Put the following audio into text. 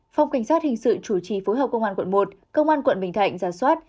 phòng cảnh sát hình sự chủ trì phối hợp công an quận một công an quận bình thạnh giả soát